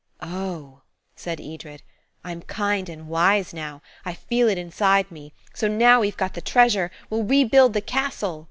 "Oh!" said Edred. "I'm kind and wise now. I feel it inside me. So now we've got the treasure. We'll rebuild the castle."